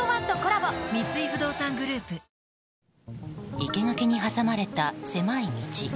生け垣に挟まれた狭い道。